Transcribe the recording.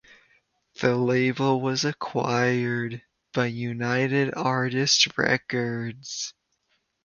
The label was acquired by United Artists Records.